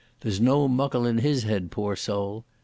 There's no muckle in his head, poor soul.